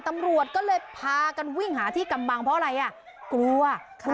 ตำรวจก็เลยพากันวิ่งหาที่กำบังเพราะอะไรอ่ะกลัว